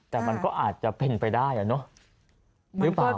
แต่มันก็อาจจะเป็นไปได้อ่ะเนอะ